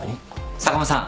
坂間さん